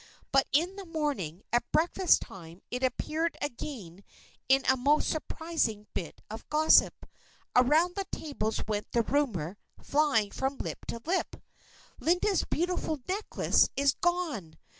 But in the morning, at breakfast time, it appeared again in a most surprising bit of gossip. Around the tables went the rumor, flying from lip to lip: "Linda's beautiful necklace is gone!